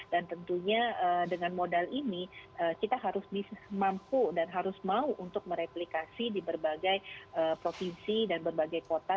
dan tentunya dengan modal ini kita harus mampu dan harus mau untuk mereplikasi di berbagai provinsi dan berbagai kota